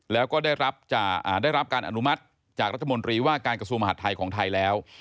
แล้วก็ได้รับการอนุมัติจากรัฐมนตรีว่าการกระทรวงมหาดไทยของไทยแล้ว